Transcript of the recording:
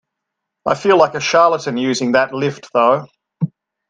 I feel like a charlatan using that lift though.